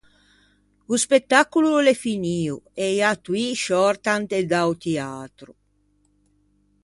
O spettacolo o l’é finio e i attoî sciòrtan de da-o tiatro.